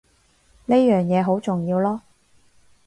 呢樣嘢好重要囉